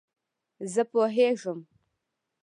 زه پوهېږم !